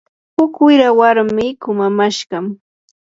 huk wira warmi kumamashqam.